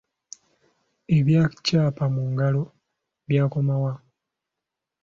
Ebya Kyapa Mu Ngalo byakoma wa?